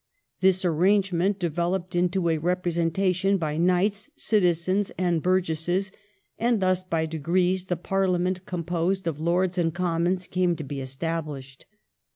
This arrangement developed into a representation by knights, citizens, and bur gesses, and thus by degrees the Parliament composed of Lords and Commons came to be established.